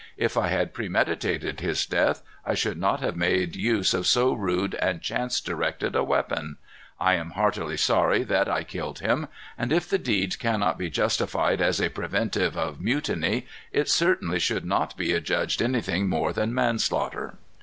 If I had premeditated his death, I should not have made use of so rude and chance directed a weapon. I am heartily sorry that I killed him. And if the deed cannot be justified as a preventive of mutiny, it certainly should not be adjudged anything more than manslaughter."